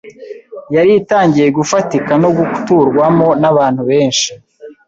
yari itangiye gufatika no guturwamo n’abantu benshi.